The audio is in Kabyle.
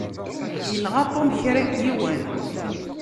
Yenɣa Tom kra n yiwen.